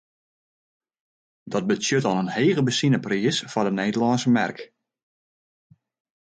Dat betsjut dan in hege benzinepriis foar de Nederlânske merk.